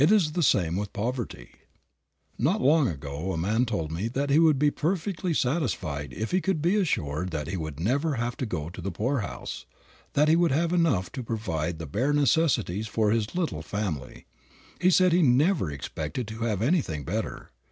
It is the same with poverty. Not long ago a poor man told me he would be perfectly satisfied if he could be assured that he would never have to go to the poorhouse, that he would have enough to provide the bare necessities for his little family. He said he never expected to have anything better.